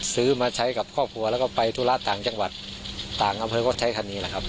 ซื้อมาใช้กับครอบครัวแล้วก็ไปธุระต่างจังหวัดต่างอำเภอก็ใช้คันนี้แหละครับ